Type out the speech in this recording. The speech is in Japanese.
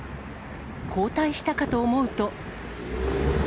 後退したかと思うと。